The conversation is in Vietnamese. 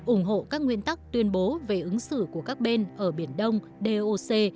ủng hộ các nguyên tắc tuyên bố về ứng xử của các bên ở biển đông doc